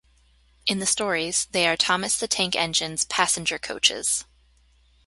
In the stories, they are Thomas the Tank Engine's passenger coaches.